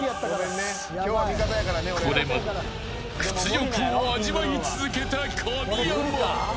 これまで屈辱を味わい続けた神山。